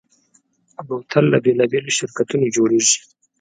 بوتل له بېلابېلو شرکتونو جوړېږي.